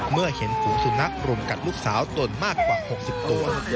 เมื่อเห็นฝูงสุนัขรุมกัดลูกสาวตนมากกว่า๖๐ตัว